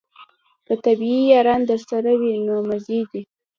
د طبې یاران درسره وي نو مزې دي.